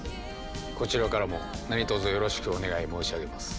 こちらからも何卒よろしくお願い申し上げます。